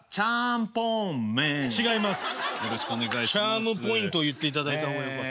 チャームポイントを言っていただいた方がよかった。